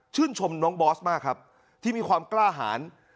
ชมน้องบอสมากครับที่มีความกล้าหาร